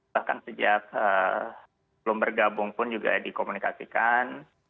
bahkan sejak belum bergabung pun juga dikomunikasikan